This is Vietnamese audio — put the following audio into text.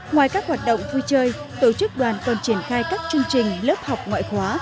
ngoài các hoạt động vui chơi tổ chức đoàn còn triển khai các chương trình lớp học ngoại khóa